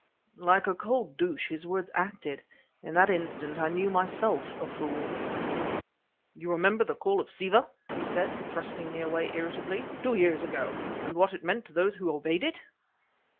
Like a cold douche his words acted; in that instant I knew myself a fool. "You remember the Call of Siva?" he said, thrusting me away irritably, " two years ago, and what it meant to those who obeyed it?"